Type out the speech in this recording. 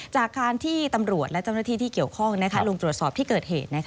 จากการที่ตำรวจและเจ้าหน้าที่ที่เกี่ยวข้องลงตรวจสอบที่เกิดเหตุ